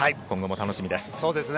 今後も楽しみです。